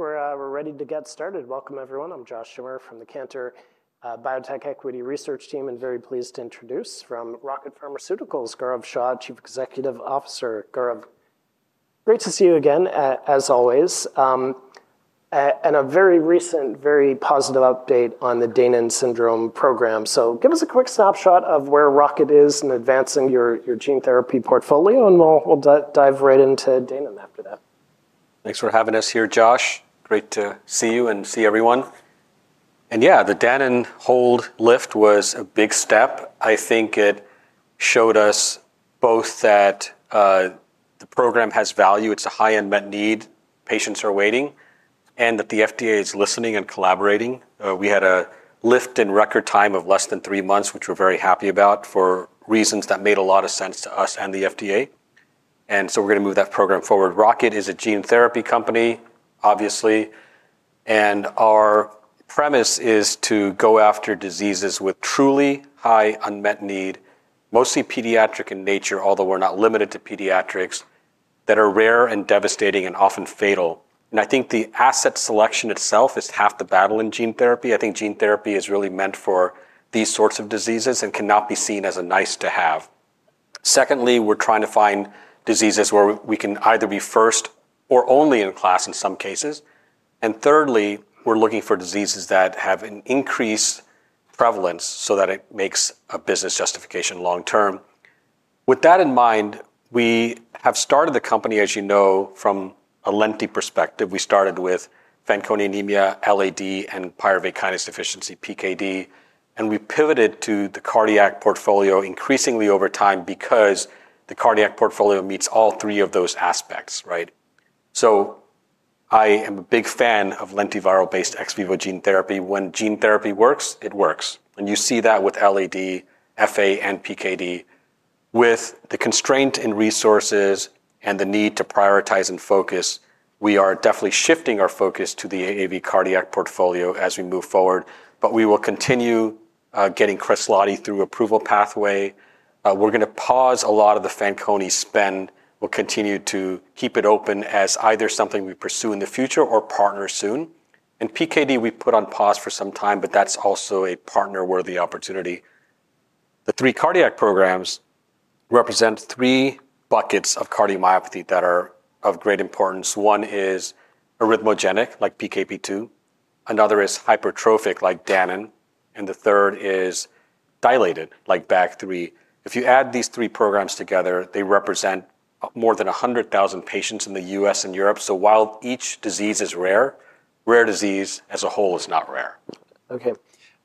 ... All right, I think we're ready to get started. Welcome, everyone. I'm Josh Schimmer from the Cantor Biotech Equity Research Team, and very pleased to introduce from Rocket Pharmaceuticals, Gaurav Shah, Chief Executive Officer. Gaurav, great to see you again, as always, and a very recent, very positive update on the Danon Disease program. So give us a quick snapshot of where Rocket is in advancing your gene therapy portfolio, and we'll dive right into Danon after that. Thanks for having us here, Josh. Great to see you and see everyone. And yeah, the Danon hold lift was a big step. I think it showed us both that, the program has value, it's a high unmet need, patients are waiting, and that the FDA is listening and collaborating. We had a lift in record time of less than three months, which we're very happy about, for reasons that made a lot of sense to us and the FDA, and so we're gonna move that program forward. Rocket is a gene therapy company, obviously, and our premise is to go after diseases with truly high unmet need, mostly pediatric in nature, although we're not limited to pediatrics, that are rare and devastating and often fatal. And I think the asset selection itself is half the battle in gene therapy. I think gene therapy is really meant for these sorts of diseases and cannot be seen as a nice-to-have. Secondly, we're trying to find diseases where we can either be first or only in class in some cases. And thirdly, we're looking for diseases that have an increased prevalence so that it makes a business justification long-term. With that in mind, we have started the company, as you know, from a lenti perspective. We started with Fanconi anemia, LAD, and pyruvate kinase deficiency, PKD, and we pivoted to the cardiac portfolio increasingly over time because the cardiac portfolio meets all three of those aspects, right? So I am a big fan of lentiviral-based ex vivo gene therapy. When gene therapy works, it works, and you see that with LAD, FA, and PKD. With the constraint in resources and the need to prioritize and focus, we are definitely shifting our focus to the AAV cardiac portfolio as we move forward, but we will continue getting Kresladi through approval pathway. We're gonna pause a lot of the Fanconi spend. We'll continue to keep it open as either something we pursue in the future or partner soon, and PKD we put on pause for some time, but that's also a partner-worthy opportunity. The three cardiac programs represent three buckets of cardiomyopathy that are of great importance. One is arrhythmogenic, like PKP2, another is hypertrophic, like Danon, and the third is dilated, like BAG3. If you add these three programs together, they represent more than a hundred thousand patients in the U.S. and Europe, so while each disease is rare, rare disease as a whole is not rare. Okay.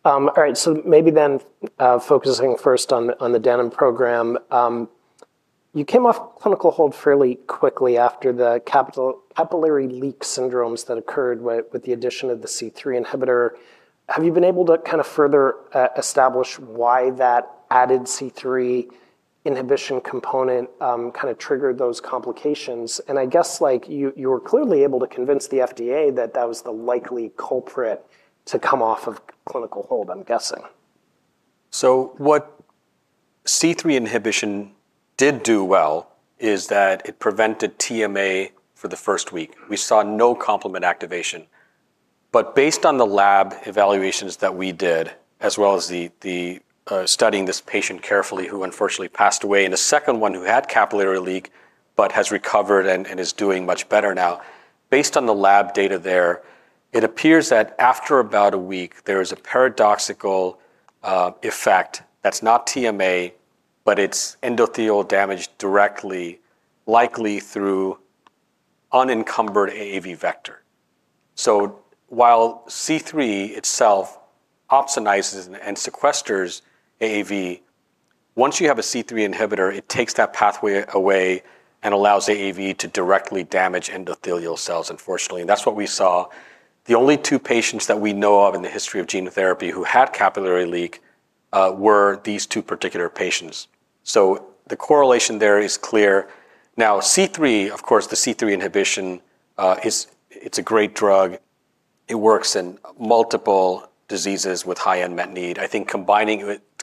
All right, so maybe then focusing first on the Danon program. You came off clinical hold fairly quickly after the capillary leak syndromes that occurred with the addition of the C3 inhibitor. Have you been able to kind of further establish why that added C3 inhibition component kind of triggered those complications? And I guess, like, you were clearly able to convince the FDA that that was the likely culprit to come off of clinical hold, I'm guessing. So what C3 inhibition did do well is that it prevented TMA for the first week. We saw no complement activation. But based on the lab evaluations that we did, as well as studying this patient carefully, who unfortunately passed away, and a second one who had capillary leak, but has recovered and is doing much better now. Based on the lab data there, it appears that after about a week, there is a paradoxical effect that's not TMA, but it's endothelial damage directly, likely through unencumbered AAV vector. So while C3 itself opsonizes and sequesters AAV, once you have a C3 inhibitor, it takes that pathway away and allows AAV to directly damage endothelial cells, unfortunately, and that's what we saw. The only two patients that we know of in the history of gene therapy who had capillary leak were these two particular patients. So the correlation there is clear. Now, C3, of course, the C3 inhibition, it's a great drug. It works in multiple diseases with high unmet need. I think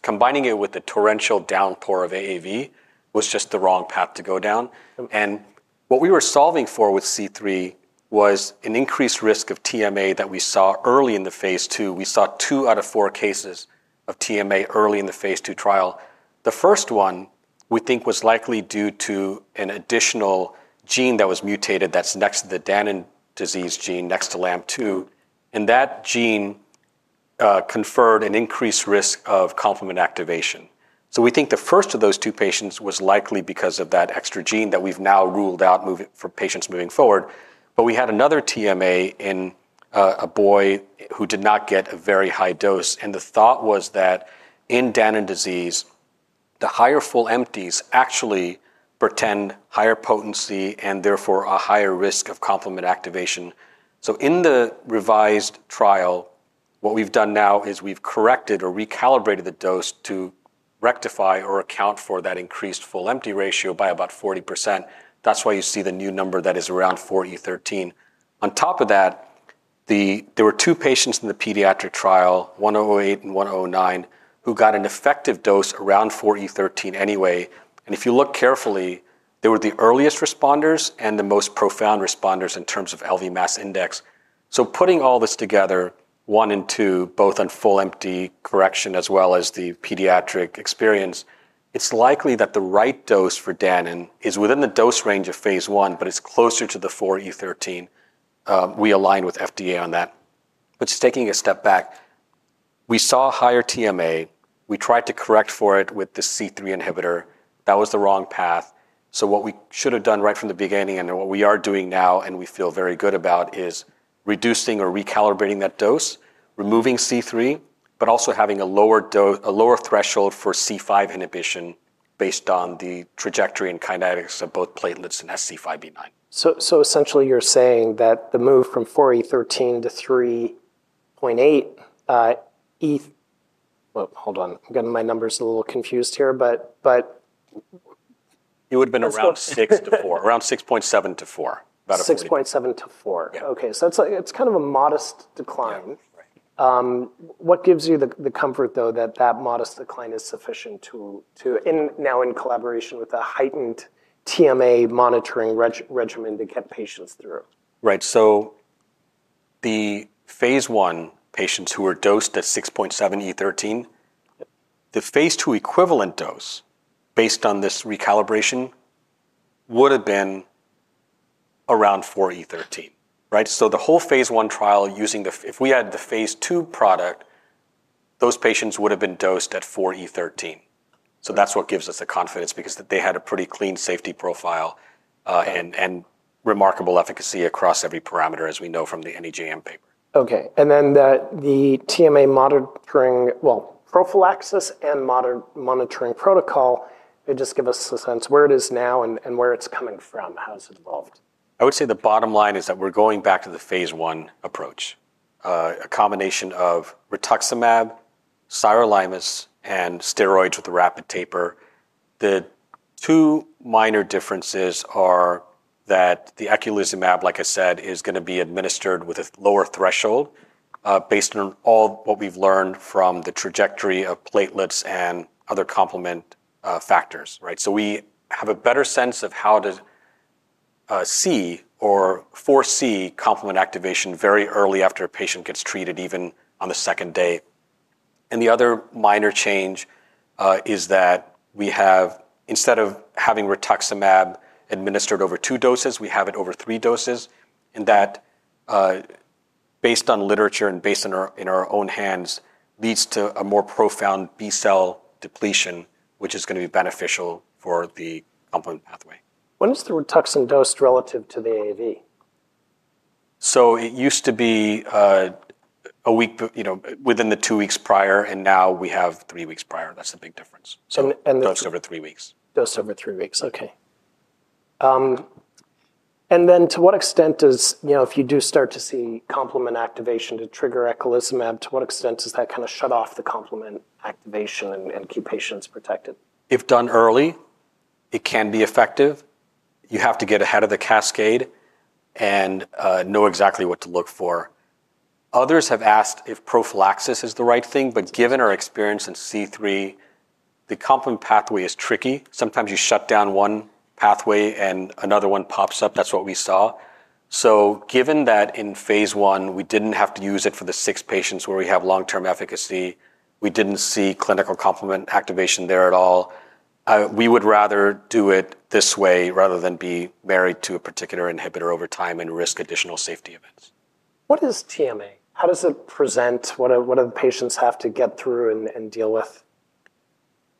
combining it with the torrential downpour of AAV was just the wrong path to go down. Mm. What we were solving for with C3 was an increased risk of TMA that we saw early in the phase two. We saw two out of four cases of TMA early in the phase two trial. The first one, we think was likely due to an additional gene that was mutated, that's next to the Danon Disease gene, next to LAMP2, and that gene conferred an increased risk of complement activation. We think the first of those two patients was likely because of that extra gene that we've now ruled out moving forward for patients moving forward. We had another TMA in a boy who did not get a very high dose, and the thought was that in Danon Disease, the higher full empties actually portend higher potency, and therefore a higher risk of complement activation. So in the revised trial, what we've done now is we've corrected or recalibrated the dose to rectify or account for that increased full empty ratio by about 40%. That's why you see the new number that is around 4E13. On top of that, there were two patients in the pediatric trial, 108 and 109, who got an effective dose around 4E13 anyway, and if you look carefully, they were the earliest responders and the most profound responders in terms of LV mass index. So putting all this together, one and two, both on full empty correction as well as the pediatric experience, it's likely that the right dose for Danon is within the dose range of phase one, but it's closer to the 4E13. We aligned with FDA on that. But just taking a step back, we saw higher TMA. We tried to correct for it with the C3 inhibitor. That was the wrong path, so what we should have done right from the beginning and then what we are doing now, and we feel very good about, is reducing or recalibrating that dose, removing C3, but also having a lower threshold for C5 inhibition based on the trajectory and kinetics of both platelets and SC5b-9. So, essentially you're saying that the move from four E thirteen to three point eight E. Well, hold on. Getting my numbers a little confused here, but. It would have been- Let's go... around six to four, around six point seven to four. About a forty- Six point seven to four. Yeah. Okay, so it's like, it's kind of a modest decline. Yeah. Right. What gives you the comfort, though, that that modest decline is sufficient to now in collaboration with a heightened TMA monitoring regimen to get patients through? Right. So the phase one patients who were dosed at six point seven E thirteen, the phase two equivalent dose, based on this recalibration, would've been around four E thirteen. Right? So the whole phase one trial using the... If we had the phase two product, those patients would've been dosed at four E thirteen. So that's what gives us the confidence, because they had a pretty clean safety profile, and remarkable efficacy across every parameter, as we know from the NEJM paper. Okay, and then the TMA monitoring, well, prophylaxis and monitoring protocol. Maybe just give us a sense where it is now and where it's coming from. How has it evolved? I would say the bottom line is that we're going back to the phase one approach. A combination of rituximab, sirolimus, and steroids with a rapid taper. The two minor differences are that the eculizumab, like I said, is gonna be administered with a lower threshold, based on all what we've learned from the trajectory of platelets and other complement factors, right, so we have a better sense of how to see or foresee complement activation very early after a patient gets treated, even on the second day, and the other minor change is that we have, instead of having rituximab administered over two doses, we have it over three doses, and that, based on literature and based on our, in our own hands, leads to a more profound B-cell depletion, which is gonna be beneficial for the complement pathway. When is the Rituxan dose relative to the AAV? So it used to be a week, you know, within the two weeks prior, and now we have three weeks prior. That's the big difference. So, and the- Dosed over three weeks. Dosed over three weeks. Okay. And then to what extent does... You know, if you do start to see complement activation to trigger eculizumab, to what extent does that kind of shut off the complement activation and keep patients protected? If done early, it can be effective. You have to get ahead of the cascade and know exactly what to look for. Others have asked if prophylaxis is the right thing, but given our experience in C3, the complement pathway is tricky. Sometimes you shut down one pathway, and another one pops up. That's what we saw. So given that in phase one, we didn't have to use it for the six patients where we have long-term efficacy, we didn't see clinical complement activation there at all, we would rather do it this way, rather than be married to a particular inhibitor over time and risk additional safety events. What is TMA? How does it present? What do the patients have to get through and deal with?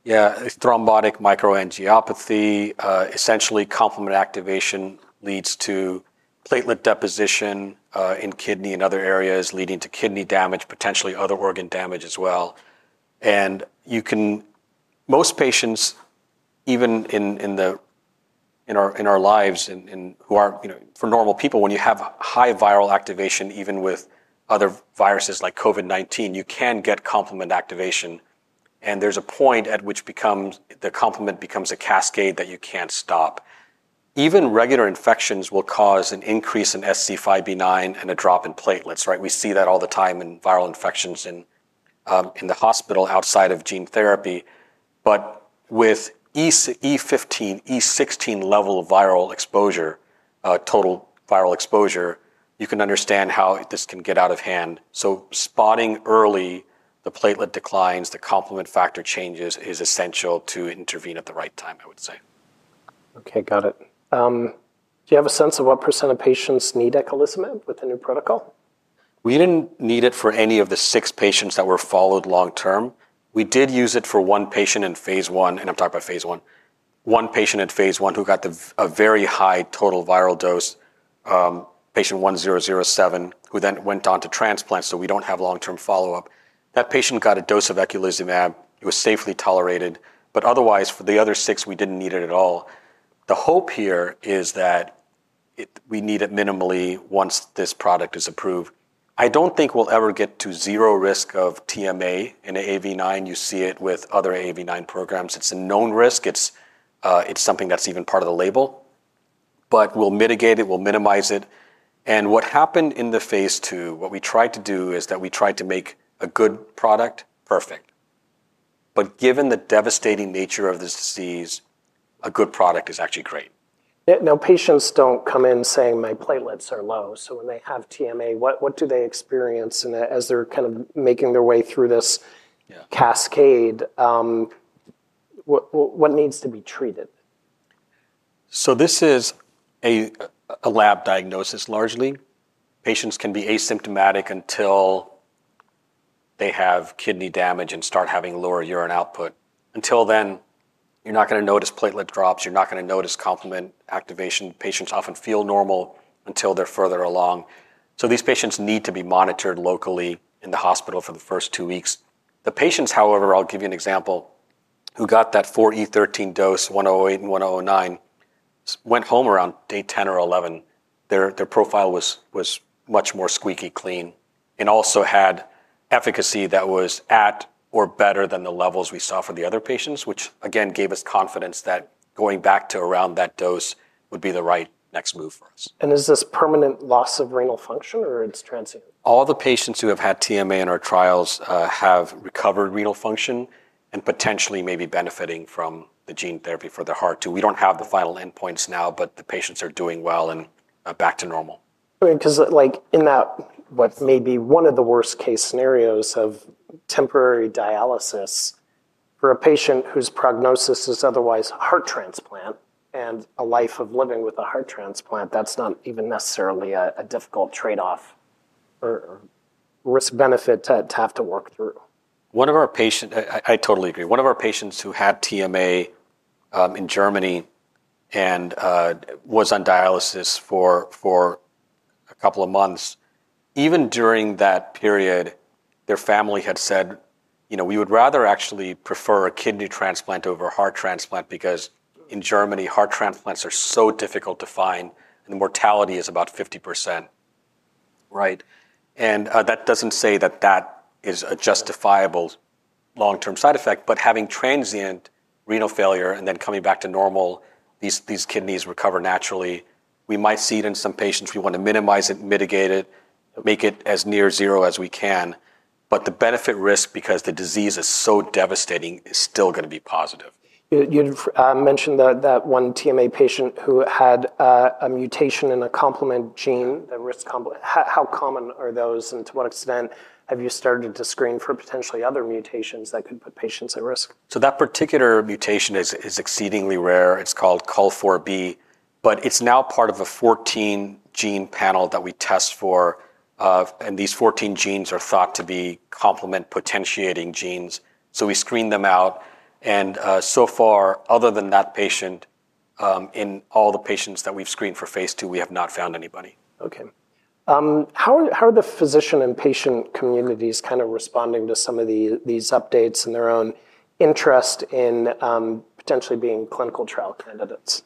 Yeah, it's thrombotic microangiopathy. Essentially, complement activation leads to platelet deposition in kidney and other areas, leading to kidney damage, potentially other organ damage as well. And most patients, even in our lives and, you know, for normal people, when you have high viral activation, even with other viruses like COVID-19, you can get complement activation, and there's a point at which the complement becomes a cascade that you can't stop. Even regular infections will cause an increase in SC5b-9 and a drop in platelets, right? We see that all the time in viral infections in the hospital outside of gene therapy. But with E-15, E-16 level of viral exposure, total viral exposure, you can understand how this can get out of hand. So, spotting early the platelet declines, the complement factor changes, is essential to intervene at the right time, I would say. Okay, got it. Do you have a sense of what % of patients need eculizumab with the new protocol? We didn't need it for any of the six patients that were followed long term. We did use it for one patient in phase one, and I'm talking about phase one. One patient in phase one who got a very high total viral dose, patient 1007, who then went on to transplant, so we don't have long-term follow-up. That patient got a dose of Eculizumab. It was safely tolerated, but otherwise, for the other six, we didn't need it at all. The hope here is that we need it minimally once this product is approved. I don't think we'll ever get to zero risk of TMA in AAV nine. You see it with other AAV nine programs. It's a known risk. It's something that's even part of the label, but we'll mitigate it, we'll minimize it. And what happened in the phase two, what we tried to do is that we tried to make a good product perfect. But given the devastating nature of this disease, a good product is actually great. Now, patients don't come in saying, "My platelets are low." So when they have TMA, what do they experience in that as they're kind of making their way through this? Yeah... cascade, what needs to be treated? So this is a lab diagnosis largely. Patients can be asymptomatic until they have kidney damage and start having lower urine output. Until then, you're not gonna notice platelet drops, you're not gonna notice complement activation. Patients often feel normal until they're further along. So these patients need to be monitored locally in the hospital for the first two weeks. The patients, however, I'll give you an example, who got that 4E13 dose, 108 and 109, went home around day 10 or 11. Their profile was much more squeaky clean, and also had efficacy that was at or better than the levels we saw for the other patients, which, again, gave us confidence that going back to around that dose would be the right next move for us. Is this permanent loss of renal function, or it's transient? All the patients who have had TMA in our trials have recovered renal function, and potentially may be benefiting from the gene therapy for their heart, too. We don't have the final endpoints now, but the patients are doing well and back to normal. I mean, 'cause, like, in that what may be one of the worst-case scenarios of temporary dialysis, for a patient whose prognosis is otherwise heart transplant and a life of living with a heart transplant, that's not even necessarily a difficult trade-off or risk-benefit to have to work through. I totally agree. One of our patients who had TMA in Germany and was on dialysis for a couple of months, even during that period, their family had said: "You know, we would rather actually prefer a kidney transplant over a heart transplant," because in Germany, heart transplants are so difficult to find, and the mortality is about 50%, right? And that doesn't say that that is a justifiable long-term side effect, but having transient renal failure and then coming back to normal, these kidneys recover naturally. We might see it in some patients. We want to minimize it, mitigate it, make it as near zero as we can, but the benefit-risk, because the disease is so devastating, is still gonna be positive. You'd mentioned that one TMA patient who had a mutation in a complement gene, the risk complement. How common are those, and to what extent have you started to screen for potentially other mutations that could put patients at risk? So that particular mutation is exceedingly rare. It's called CUL4B, but it's now part of a 14-gene panel that we test for. And these 14 genes are thought to be complement-potentiating genes, so we screen them out, and so far, other than that patient, in all the patients that we've screened for phase two, we have not found anybody. Okay. How are the physician and patient communities kind of responding to some of the, these updates and their own interest in potentially being clinical trial candidates?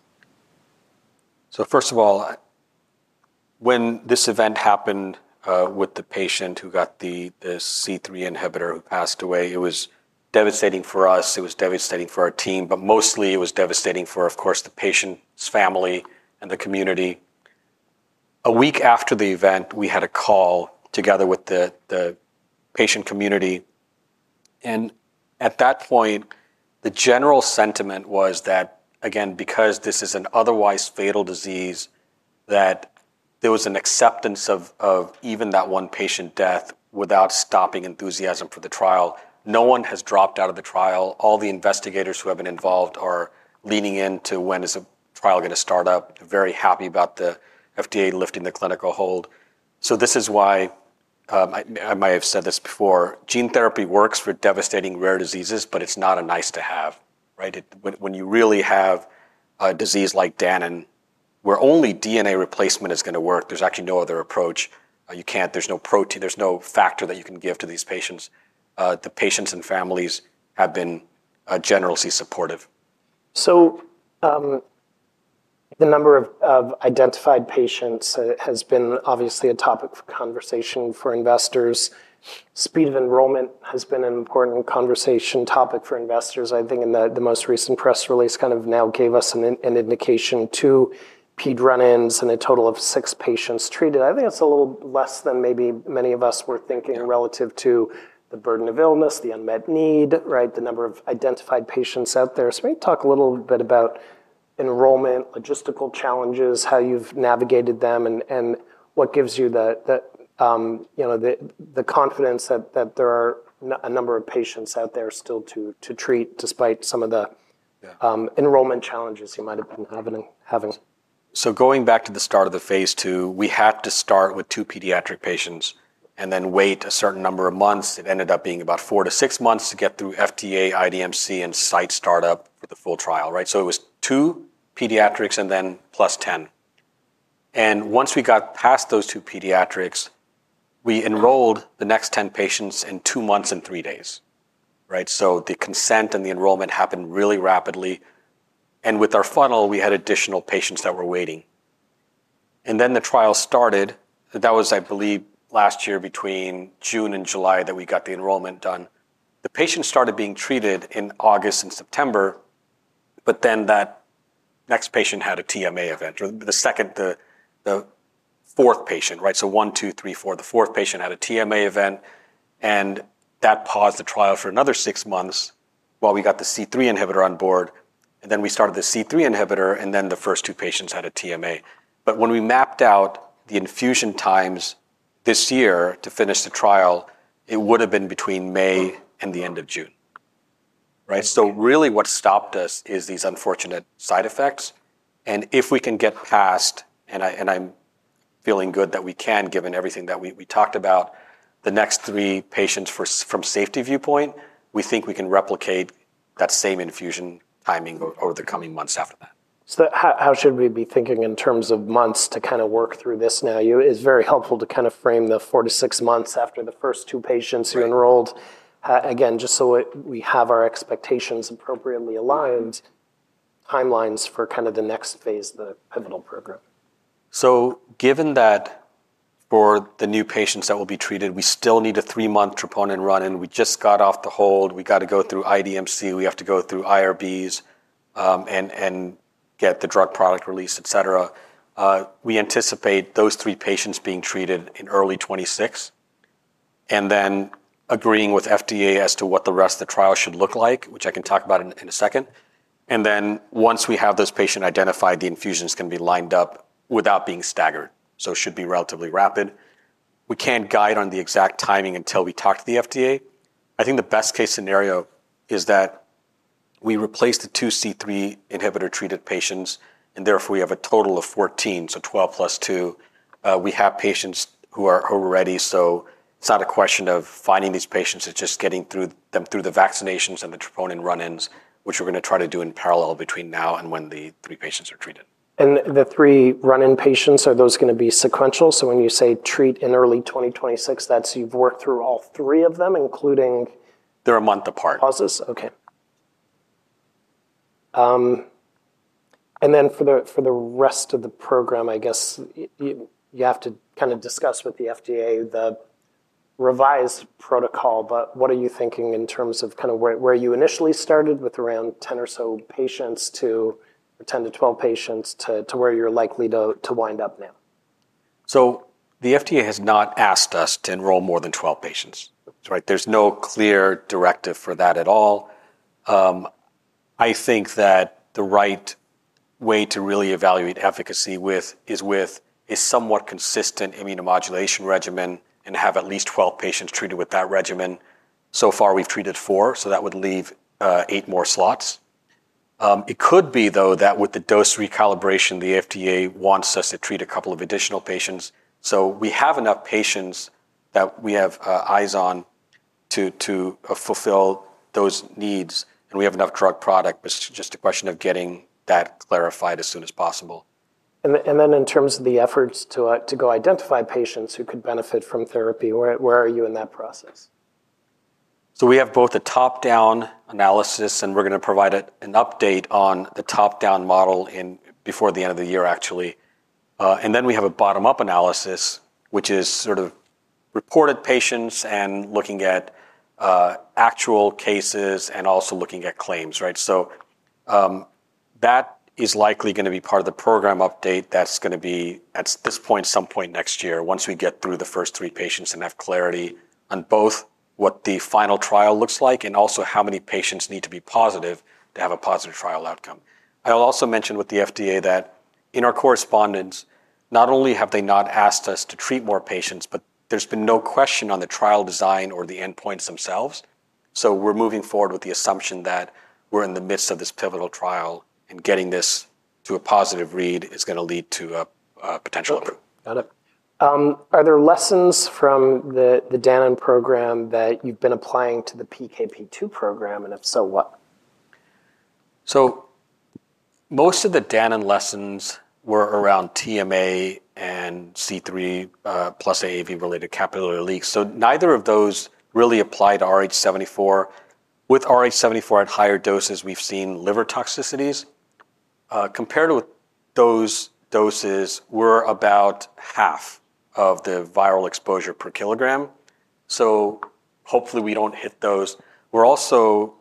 So first of all, when this event happened, with the patient who got the C3 inhibitor, who passed away, it was devastating for us. It was devastating for our team, but mostly it was devastating for, of course, the patient's family and the community. A week after the event, we had a call together with the patient community, and at that point, the general sentiment was that, again, because this is an otherwise fatal disease, that there was an acceptance of even that one patient death without stopping enthusiasm for the trial. No one has dropped out of the trial. All the investigators who have been involved are leaning into when is the trial gonna start up. Very happy about the FDA lifting the clinical hold. This is why, I might have said this before, gene therapy works for devastating rare diseases, but it's not a nice-to-have, right? It. When you really have a disease like Danon, where only DNA replacement is gonna work, there's actually no other approach. You can't. There's no protein, there's no factor that you can give to these patients. The patients and families have been generously supportive. So, the number of identified patients has been obviously a topic of conversation for investors. Speed of enrollment has been an important conversation topic for investors. I think in the most recent press release kind of now gave us an indication, two ped run-ins and a total of six patients treated. I think that's a little less than maybe many of us were thinking. Yeah... relative to the burden of illness, the unmet need, right? The number of identified patients out there. So maybe talk a little bit about enrollment, logistical challenges, how you've navigated them, and what gives you the, you know, the confidence that there are a number of patients out there still to treat, despite some of the- Yeah, enrollment challenges you might have been having. Going back to the start of the phase two, we had to start with two pediatric patients and then wait a certain number of months. It ended up being about four to six months to get through FDA, IDMC, and site start-up for the full trial, right? It was two pediatrics and then plus ten. Once we got past those two pediatrics, we enrolled the next ten patients in two months and three days, right? The consent and the enrollment happened really rapidly, and with our funnel, we had additional patients that were waiting.... and then the trial started. That was, I believe, last year, between June and July, that we got the enrollment done. The patients started being treated in August and September, but then that next patient had a TMA event, or the second, the fourth patient, right? So one, two, three, four. The fourth patient had a TMA event, and that paused the trial for another six months while we got the C3 inhibitor on board. And then we started the C3 inhibitor, and then the first two patients had a TMA. But when we mapped out the infusion times this year to finish the trial, it would have been between May and the end of June, right? So really what stopped us is these unfortunate side effects. And if we can get past, I'm feeling good that we can, given everything that we talked about, the next three patients from safety viewpoint, we think we can replicate that same infusion timing over the coming months after that. So how should we be thinking in terms of months to kind of work through this now? It's very helpful to kind of frame the four to six months after the first two patients- Right... who enrolled. Again, just so we have our expectations appropriately aligned, timelines for kind of the next phase of the pivotal program. So given that for the new patients that will be treated, we still need a three-month troponin run-in. We just got off the hold. We got to go through IDMC, we have to go through IRBs, and get the drug product release, et cetera. We anticipate those three patients being treated in early 2026, and then agreeing with FDA as to what the rest of the trial should look like, which I can talk about in a second. And then once we have those patient identified, the infusions can be lined up without being staggered, so it should be relatively rapid. We can't guide on the exact timing until we talk to the FDA. I think the best-case scenario is that we replace the two C3 inhibitor-treated patients, and therefore we have a total of fourteen, so twelve plus two. We have patients who are already, so it's not a question of finding these patients, it's just getting through them through the vaccinations and the troponin run-ins, which we're going to try to do in parallel between now and when the three patients are treated. And the three run-in patients, are those going to be sequential? So when you say treat in early twenty twenty-six, that's you've worked through all three of them, including- They're a month apart. Okay. And then for the rest of the program, I guess you have to kind of discuss with the FDA the revised protocol, but what are you thinking in terms of kind of where you initially started with around ten or so patients to or ten to twelve patients to where you're likely to wind up now? So the FDA has not asked us to enroll more than 12 patients, right? There's no clear directive for that at all. I think that the right way to really evaluate efficacy is with a somewhat consistent immunomodulation regimen and have at least 12 patients treated with that regimen. So far, we've treated four, so that would leave eight more slots. It could be, though, that with the dose recalibration, the FDA wants us to treat a couple of additional patients. So we have enough patients that we have eyes on to fulfill those needs, and we have enough drug product, but it's just a question of getting that clarified as soon as possible. In terms of the efforts to go identify patients who could benefit from therapy, where are you in that process? So we have both a top-down analysis, and we're going to provide an update on the top-down model in... before the end of the year, actually. And then we have a bottom-up analysis, which is sort of reported patients and looking at actual cases and also looking at claims, right? So, that is likely going to be part of the program update. That's going to be, at this point, some point next year once we get through the first three patients and have clarity on both what the final trial looks like and also how many patients need to be positive to have a positive trial outcome. I'll also mention with the FDA that in our correspondence, not only have they not asked us to treat more patients, but there's been no question on the trial design or the endpoints themselves. So we're moving forward with the assumption that we're in the midst of this pivotal trial, and getting this to a positive read is going to lead to a potential approval. Got it. Are there lessons from the Danon program that you've been applying to the PKP2 program, and if so, what? So most of the Danon lessons were around TMA and C3, plus AAV-related capillary leaks, so neither of those really applied to rh74. With rh74 at higher doses, we've seen liver toxicities. Compared with those doses, we're about half of the viral exposure per kilogram, so hopefully, we don't hit those. We're also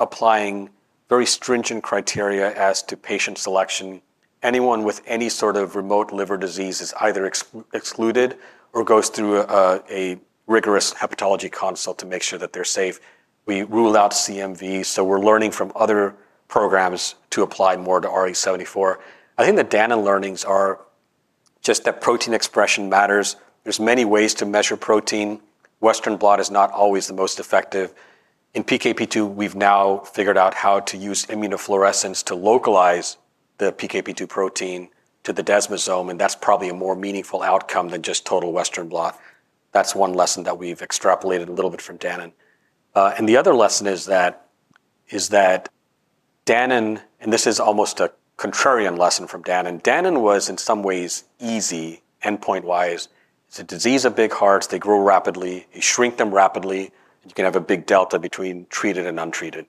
applying very stringent criteria as to patient selection. Anyone with any sort of remote liver disease is either excluded or goes through a rigorous hepatology consult to make sure that they're safe. We rule out CMV, so we're learning from other programs to apply more to rh74. I think the Danon learnings are just that protein expression matters. There's many ways to measure protein. Western blot is not always the most effective. In PKP2, we've now figured out how to use immunofluorescence to localize the PKP2 protein to the desmosome, and that's probably a more meaningful outcome than just total Western blot. That's one lesson that we've extrapolated a little bit from Danon. And the other lesson is that Danon, and this is almost a contrarian lesson from Danon, Danon was, in some ways, easy endpoint-wise. It's a disease of big hearts. They grow rapidly. You shrink them rapidly. You can have a big delta between treated and untreated.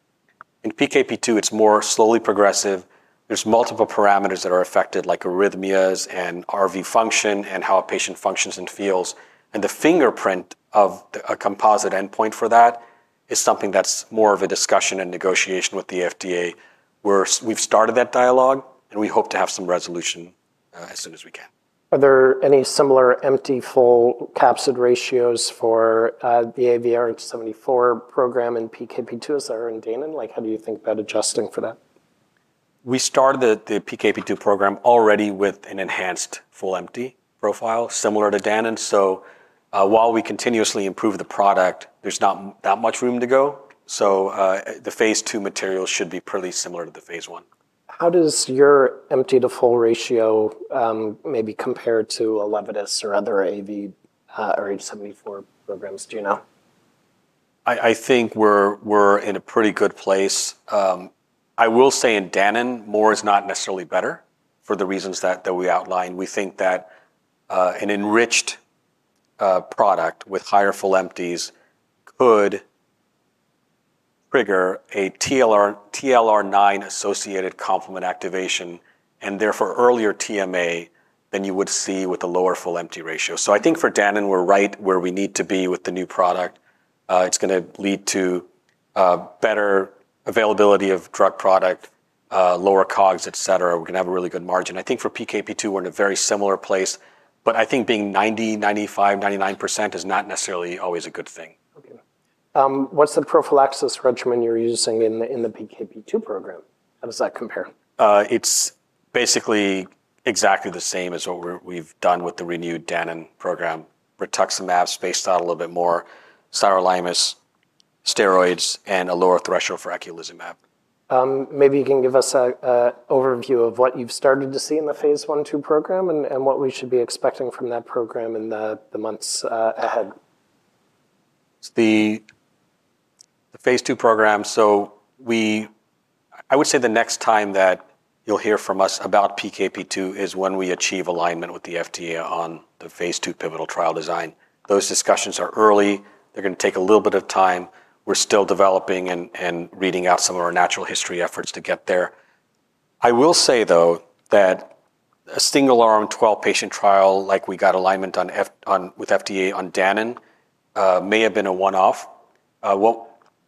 In PKP2, it's more slowly progressive. There's multiple parameters that are affected, like arrhythmias, and RV function, and how a patient functions and feels. The fingerprint of a composite endpoint for that is something that's more of a discussion and negotiation with the FDA, where we've started that dialogue, and we hope to have some resolution as soon as we can. Are there any similar empty-full capsid ratios for the AAVrh74 program and PKP2s that are in Danon? Like, how do you think about adjusting for that? We started the PKP2 program already with an enhanced full empty profile, similar to Danon. So, while we continuously improve the product, there's not that much room to go. So, the phase two material should be pretty similar to the phase one. How does your empty-to-full ratio, maybe compare to Elevidys or other AAV rh74 programs? Do you know? I think we're in a pretty good place. I will say in Danon, more is not necessarily better, for the reasons that we outlined. We think that an enriched product with higher full-empty could trigger a TLR9-associated complement activation, and therefore earlier TMA than you would see with a lower full-empty ratio. So I think for Danon, we're right where we need to be with the new product. It's gonna lead to better availability of drug product, lower COGS, et cetera. We're gonna have a really good margin. I think for PKP2, we're in a very similar place, but I think being 90%, 95%, 99% is not necessarily always a good thing. Okay. What's the prophylaxis regimen you're using in the PKP2 program? How does that compare? It's basically exactly the same as what we've done with the renewed Danon program. Rituximab spaced out a little bit more, sirolimus, steroids, and a lower threshold for eculizumab. Maybe you can give us an overview of what you've started to see in the phase one-two program, and what we should be expecting from that program in the months ahead? The phase two program. I would say the next time that you'll hear from us about PKP2 is when we achieve alignment with the FDA on the phase two pivotal trial design. Those discussions are early. They're gonna take a little bit of time. We're still developing and reading out some of our natural history efforts to get there. I will say, though, that a single-arm 12-patient trial, like we got alignment on Fanconi with FDA on Danon, may have been a one-off.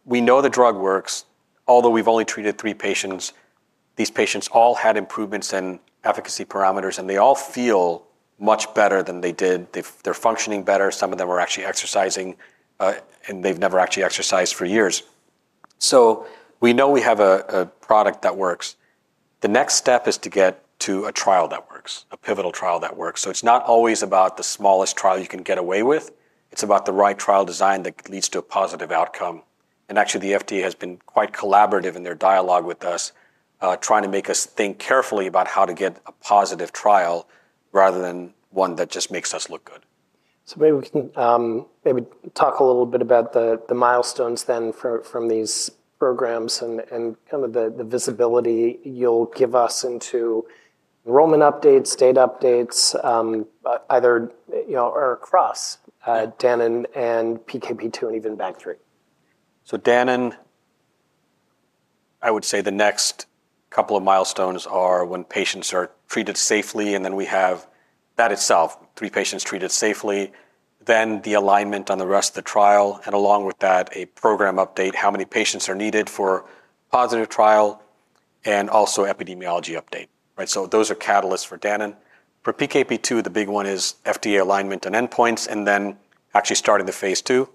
We know the drug works, although we've only treated three patients. These patients all had improvements in efficacy parameters, and they all feel much better than they did. They're functioning better. Some of them are actually exercising, and they've never actually exercised for years. So we know we have a product that works. The next step is to get to a trial that works, a pivotal trial that works. So it's not always about the smallest trial you can get away with. It's about the right trial design that leads to a positive outcome. And actually, the FDA has been quite collaborative in their dialogue with us, trying to make us think carefully about how to get a positive trial rather than one that just makes us look good. Maybe we can maybe talk a little bit about the milestones then from these programs and kind of the visibility you'll give us into enrollment updates, data updates, either, you know, or across Danon and PKP2 and even BAG3. Danon, I would say the next couple of milestones are when patients are treated safely, and then we have that itself, three patients treated safely, then the alignment on the rest of the trial, and along with that, a program update, how many patients are needed for positive trial and also epidemiology update, right? Those are catalysts for Danon. For PKP2, the big one is FDA alignment and endpoints, and then actually starting the phase two.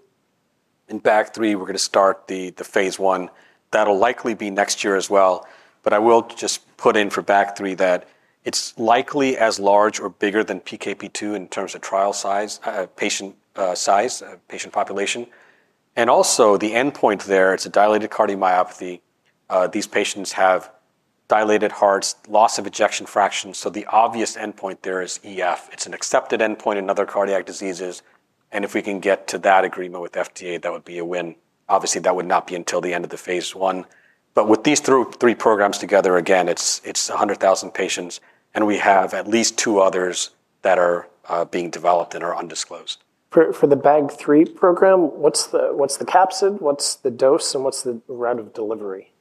In BAG3, we're gonna start the phase one. That'll likely be next year as well. I will just put in for BAG3 that it's likely as large or bigger than PKP2 in terms of trial size, patient size, patient population. Also the endpoint there, it's a dilated cardiomyopathy. These patients have dilated hearts, loss of ejection fraction, so the obvious endpoint there is EF. It's an accepted endpoint in other cardiac diseases, and if we can get to that agreement with FDA, that would be a win. Obviously, that would not be until the end of the phase one. But with these three programs together, again, it's a hundred thousand patients, and we have at least two others that are being developed and are undisclosed. For the BAG3 program, what's the capsid, what's the dose, and what's the route of delivery?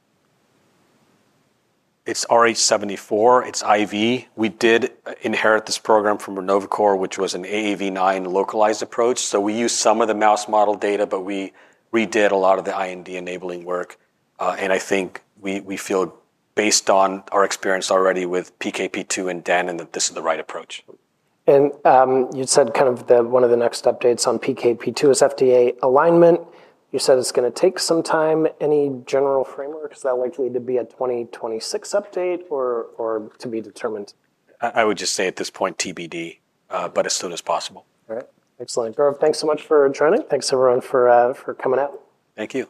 It's Rh74. It's IV. We did inherit this program from Renovacor, which was an AAV9 localized approach. So we used some of the mouse model data, but we redid a lot of the IND enabling work. And I think we feel, based on our experience already with PKP2 and Danon, that this is the right approach. You said kind of the one of the next updates on PKP2 is FDA alignment. You said it's gonna take some time. Any general frameworks? Is that likely to be a 2026 update or to be determined? I would just say at this point TBD, but as soon as possible. All right. Excellent. Gaurav, thanks so much for joining. Thanks everyone for coming out. Thank you.